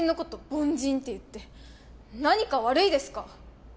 凡人って言って何か悪いですか？